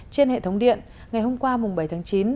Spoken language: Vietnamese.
trên hệ thống điện ngày hôm qua bảy tháng chín